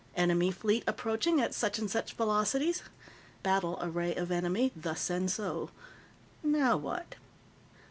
Enemy fleet approaching at such and such velocities. Battle array of enemy thus and so. Now what?